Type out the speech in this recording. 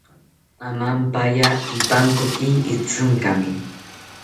Amampaya ipankoki Itzinkami